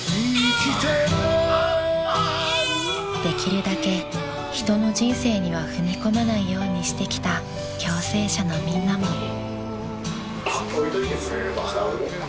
［できるだけ人の人生には踏み込まないようにしてきた共生舎のみんなも］